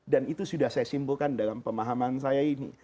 dan itu sudah saya simpulkan dalam pemahaman saya ini